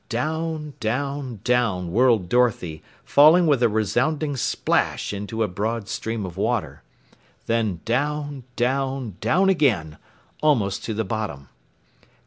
Down, down, down whirled Dorothy, falling with a resounding splash into a broad stream of water. Then down, down, down again, almost to the bottom.